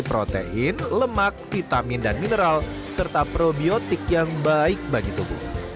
protein lemak vitamin dan mineral serta probiotik yang baik bagi tubuh